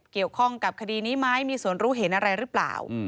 เกี่ยวข้องกับคดีนี้ไหมมีส่วนรู้เห็นอะไรหรือเปล่า